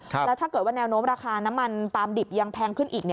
แล้วถ้าเกิดว่าแนวโน้มราคาน้ำมันปลามดิบยังแพงขึ้นอีก